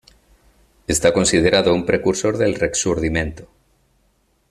Está considerado un precursor del "Rexurdimento".